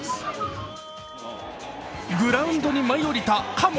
グラウンドに舞い降りたカモ。